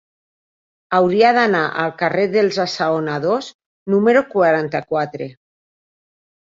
Hauria d'anar al carrer dels Assaonadors número quaranta-quatre.